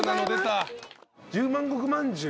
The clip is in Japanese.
十万石まんじゅう。